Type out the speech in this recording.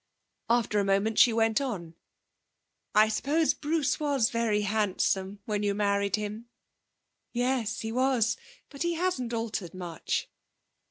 After a moment she went on: 'I suppose Bruce was very handsome when you married him?' 'Yes, he was. But he hasn't altered much.'